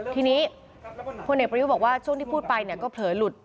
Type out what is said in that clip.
ทีนี้พลเอกประยุทธ์บอกว่าช่วงที่พูดไปก็เผลอหลุด